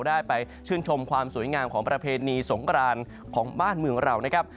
ได้ไปชื่นชมความสวยงามของประเพณีสงกรานของบ้านเมืองเรานะครับ